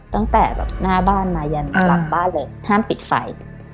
ตั้งแต่แบบหน้าบ้านมายันกลับบ้านเลยห้ามปิดไฟ